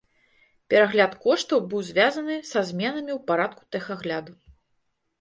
Перагляд коштаў быў звязаны са зменамі ў парадку тэхагляду.